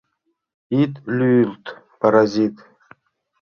— Ит лӱйылт, паразит!